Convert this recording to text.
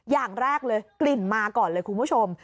อย่างแรกเลยกลิ่นมาก่อนเลยคุณผู้ชม